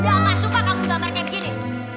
bunda gak suka kamu gambar kayak gini